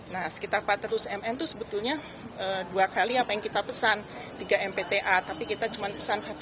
nah sekitar empat ratus mm itu sebetulnya dua kali apa yang kita pesan tiga mpta tapi kita cuma pesan satu